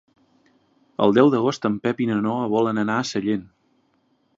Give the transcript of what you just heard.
El deu d'agost en Pep i na Noa volen anar a Sellent.